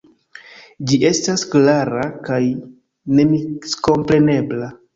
Ĝi estas klara kaj nemiskomprenebla.